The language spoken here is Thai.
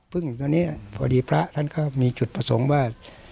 ซึ่งตอนนี้พอดีพระท่านก็มีจุดประสงค์ว่า